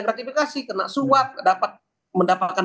gratifikasi kena suap dapat mendapatkan